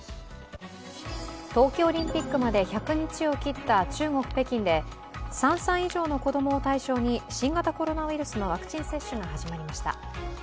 冬季オリンピックまで１００日を切った中国・北京で３歳以上の子供を対象に新型コロナウイルスのワクチン接種が始まりました。